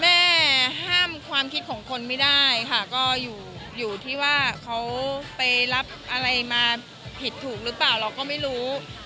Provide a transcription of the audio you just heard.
แม่ห้ามความคิดของคนไม่ได้ค่ะก็อยู่ที่ว่าเขาไปรับอะไรมาผิดถูกหรือเปล่าเราก็ไม่รู้